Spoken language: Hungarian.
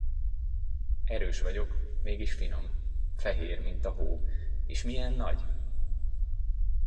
Erős vagyok, mégis finom, fehér, mint a hó, és milyen nagy!